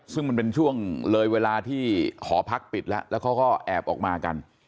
ซึ่งมันเป็นช่วงเลยเวลาที่หอพักปิดแล้วแล้วเขาก็แอบออกมากัน